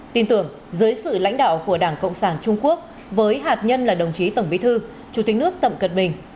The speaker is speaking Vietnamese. tin tưởng dưới sự lãnh đạo của đảng cộng sản trung quốc với hạt nhân là đồng chí tổng bí thư chủ tịch nước tập cận bình